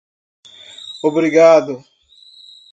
Obrigado